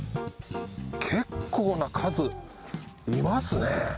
結構な数いますね。